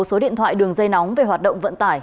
số điện thoại đường dây nóng về hoạt động vận tải